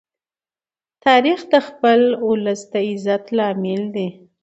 تاریخ د خپل ولس د عزت لامل دی.